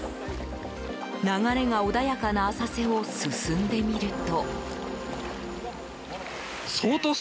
流れが穏やかな浅瀬を進んでみると。